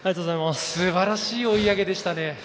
すばらしい追い上げでしたね。